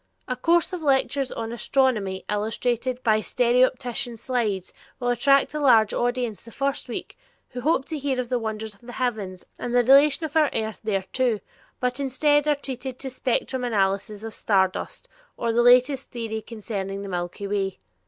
A course of lectures on astronomy illustrated by stereopticon slides will attract a large audience the first week, who hope to hear of the wonders of the heavens and the relation of our earth thereto, but instead are treated to spectrum analyses of star dust, or the latest theory concerning the milky way.